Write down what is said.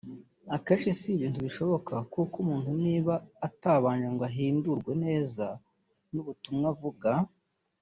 Akenshi si ibintu bishoboka ko umuntu niba atabanje ngo ahindurwe neza n’ubutumwa avuga